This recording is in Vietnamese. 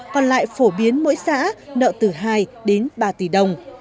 còn lại phổ biến mỗi xã nợ từ hai đến ba tỷ đồng